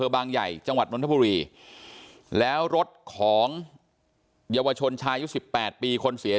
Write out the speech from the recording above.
บางใหญ่จังหวัดนทบุรีแล้วรถของเยาวชนชายุ๑๘ปีคนเสีย